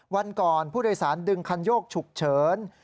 วันก่อนผู้โดยสารดึงคันโยกฉุกเฉิน